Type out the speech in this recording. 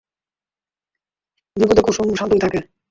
বিপদে কুসুম শান্তই থাকে।